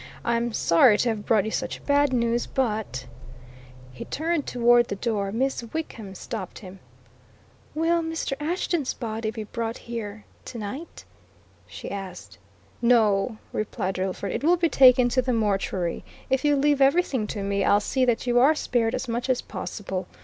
I'm sorry to have brought you such bad news, but " He turned toward the door; Miss Wickham stopped him. "Will Mr. Ashton's body be brought here tonight?" she asked. "No," replied Drillford. "It will be taken to the mortuary. If you'll leave everything to me, I'll see that you are spared as much as possible.